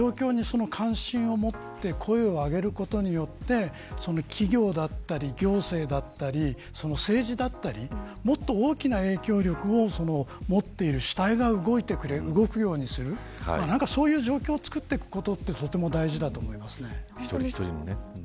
そういう状況に関心を持って声を上げることで企業や行政や政治だったりもっと大きな影響力を持っている主体が動くようにするそういう状況を作っていくことが大事だと思います。